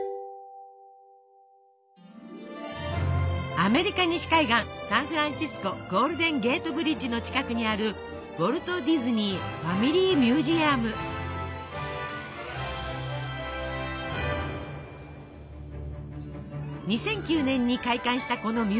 アメリカ西海岸サンフランシスコゴールデン・ゲート・ブリッジの近くにある２００９年に開館したこのミュージアム。